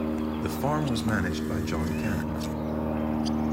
The farm was managed by John Cannon.